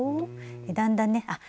だんだんねあっ